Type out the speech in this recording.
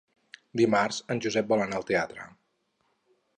Dimarts en Josep vol anar al teatre.